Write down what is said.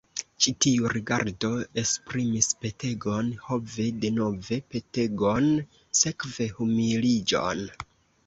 Ĉi tiu rigardo esprimis petegon, ho ve, denove petegon, sekve humiliĝon!